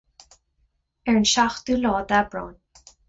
Ar an seachtú lá d'Aibreán.